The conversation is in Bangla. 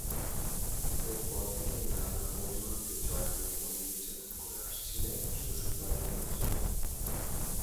এরপর থেকেই নানা অজুহাতে জয়ার ওপর নির্যাতন করে আসছিলেন শ্বশুরবাড়ির লোকজন।